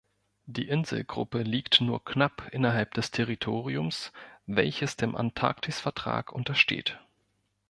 Die Inselgruppe liegt nur knapp innerhalb des Territoriums, welches dem Antarktisvertrag untersteht.